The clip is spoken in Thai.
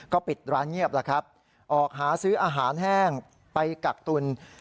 ก็ปิดร้านเงียบแล้วครับออกหาซื้ออาหารแห้งไปกักตุล